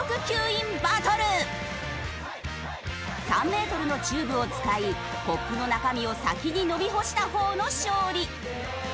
３メートルのチューブを使いコップの中身を先に飲み干した方の勝利。